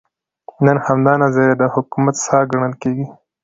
نن همدا نظریه د حکومت ساه ګڼل کېږي.